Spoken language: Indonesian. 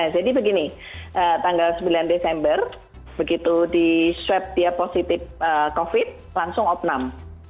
jadi begini tanggal sembilan desember begitu di sweb dia positif covid sembilan belas langsung opnam